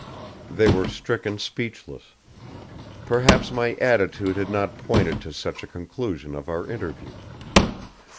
They were stricken speechless. Perhaps my attitude had not pointed to such a conclusion of our interview.